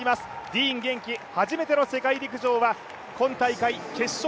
ディーン元気、初めての世界陸上は今大会決勝、